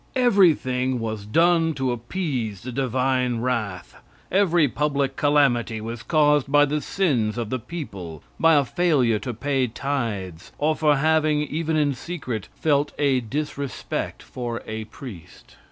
Everything was done to appease the divine wrath; every public calamity was caused by the sins of the people; by a failure to pay tithes, or for having, even in secret, felt a disrespect for a priest.